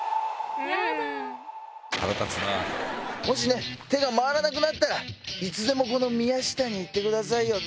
もし手が回らなくなったらいつでも宮下に言ってください。